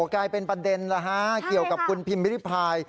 กลายเป็นประเด็นแล้วฮะใช่ค่ะเขียวกับคุณพิมพ์วิทธิพาย